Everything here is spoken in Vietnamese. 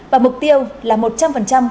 và mục tiêu là một trăm linh các em